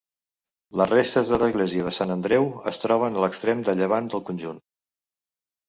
Les restes de l'església de Sant Andreu es troben a l'extrem de llevant del conjunt.